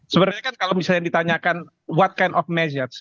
sebenarnya kan kalau misalnya ditanyakan what kind of message